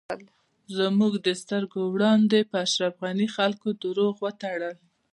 زموږ د سترږو وړاندی په اشرف غنی خلکو درواغ وتړل